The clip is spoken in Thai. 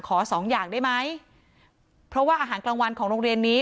สองอย่างได้ไหมเพราะว่าอาหารกลางวันของโรงเรียนนี้